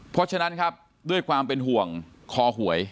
เพราะฉะนั้นครับด้วยความเป็นห่วงคอหวย